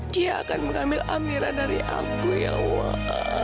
dia akan mengambil amira dari aku ya allah